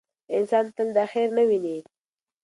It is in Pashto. انسان تل دا خیر نه ویني.